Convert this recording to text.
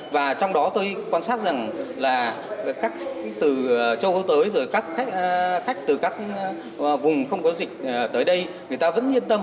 và trong đó tôi quan sát rằng là khách từ châu âu tới khách từ các vùng không có dịch tới đây người ta vẫn yên tâm